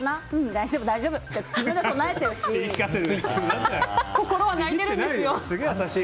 大丈夫、大丈夫って心は泣いてるんですよ。